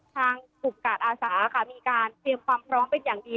ทางกรุกกาดอาสาเคยความพร้อมเป็นอย่างดี